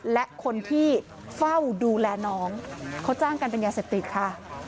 และคนที่เฝ้าดูแลน้องเขาจ้างกันเป็นยาเสพติดค่ะ